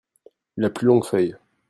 La plus longue feuille.